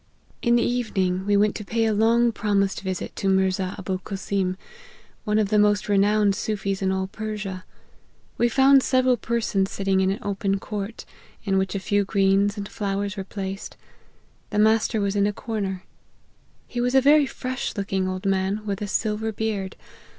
" In the evening we went to pay a long promised visit to Mirza Abulcasim, one of the most re nowned Soofies in all Persia. We found several persons sitting in an open court, in which a few greens and flowers were placed ; the master was in a corner. He was a very fresh looking old man, with a silver beard.